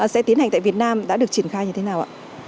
sẽ tiến hành tại việt nam đã được triển khai như thế nào ạ